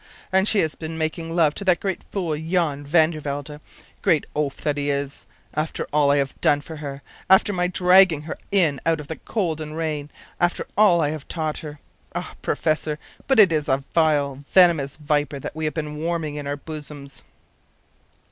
And she has been making love to that great fool, Jan van der Welde, great oaf that he is, after all I have done for her; after my dragging her in out of the cold and rain; after all I have taught her. Ah, professor, but it is a vile, venomous viper that we have been warming in our bosoms!